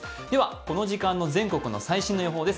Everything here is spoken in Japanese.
この時間の全国の最新の予報です。